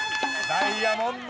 ◆ダイヤモンド！